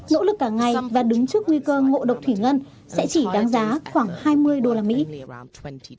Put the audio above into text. nỗ lực cả ngày và đứng trước nguy cơ ngộ độc thủy ngân sẽ chỉ đáng giá khoảng hai mươi usd